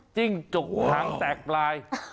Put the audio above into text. จิ้งจกหางแตกปลาย